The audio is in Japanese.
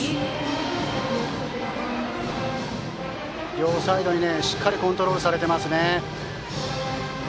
両サイドにしっかりコントロールされていますね。